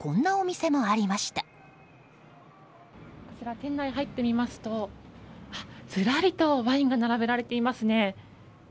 店内に入ってみますとずらりとワインが並べられていますね。